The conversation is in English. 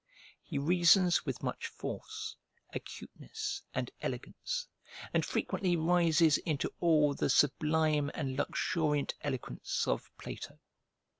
He reasons with much force, acuteness, and elegance; and frequently rises into all the sublime and luxuriant eloquence of Plato.